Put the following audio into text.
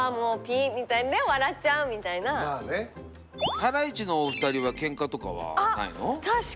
ハライチのお二人はケンカとかはないの？